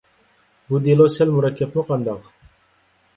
بۇ دېلو سەل مۇرەككەپمۇ قانداق؟